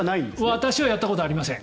私はやったことがありません。